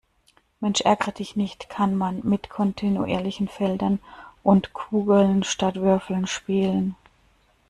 Mensch-ärgere-dich-nicht kann man mit kontinuierlichen Feldern und Kugeln statt Würfeln spielen.